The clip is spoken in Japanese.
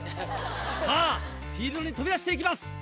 さぁフィールドに飛び出していきます。